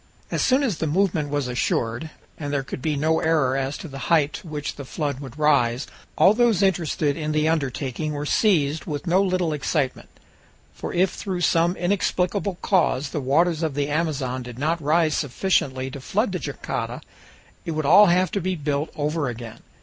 As soon as the movement was assured, and there could be no error as to the height to which the flood would rise, all those interested in the undertaking were seized with no little excitement. For if through some inexplicable cause the waters of the Amazon did not rise sufficiently to flood the jangada, it would all have to be built over again.